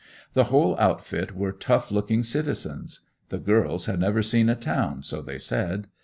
The whole outfit were tough looking citizens. The girls had never seen a town, so they said.